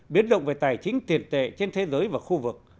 biến động về tài chính tiền tệ trên thế giới và khu vực